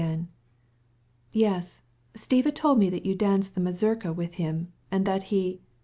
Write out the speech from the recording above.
"Yes, Stiva told me you danced the mazurka with him, and that he...."